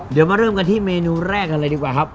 เดี๋ยวมาเริ่มกันที่เมนูแรกกันเลยดีกว่าครับ